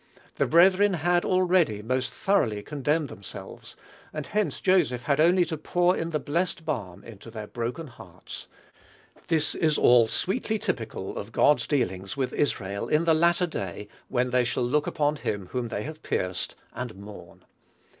The brethren had, already, most thoroughly condemned themselves, and hence Joseph had only to pour in the blessed balm into their broken hearts. "This is all sweetly typical of God's dealings with Israel, in the latter day, when they shall look upon him whom they have pierced, and mourn."